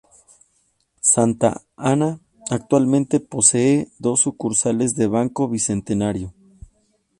Santa Ana actualmente posee dos sucursales del Banco Bicentenario.